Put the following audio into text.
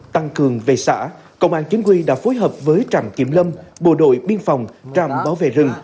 tăng cường về xã công an chính quy đã phối hợp với trạm kiểm lâm bộ đội biên phòng trạm bảo vệ rừng